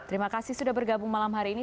terima kasih sudah bergabung malam hari ini